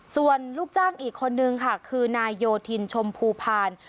ส่วนลูกจ้างอีกคนนึงค่ะคือนายโยธินชมภูพาล